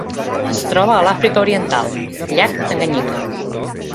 Es troba a l'Àfrica Oriental: llac Tanganyika.